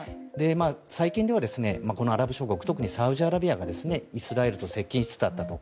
最近ではアラブ諸国特にサウジアラビアがイスラエルと接近しつつあったと。